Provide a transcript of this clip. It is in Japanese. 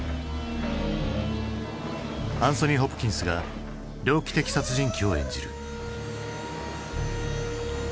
アンソニー・ホプキンスが猟奇的殺人鬼を演じる。